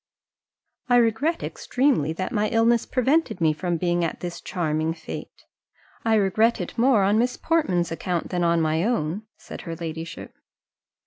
"I regret extremely that my illness prevented me from being at this charming fête; I regret it more on Miss Portman's account than on my own," said her ladyship.